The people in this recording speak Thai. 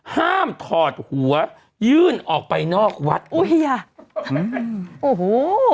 ห้ามถอดหัวยื่นออกไปนอกวัดโอ้เฮียอืมโอ้โห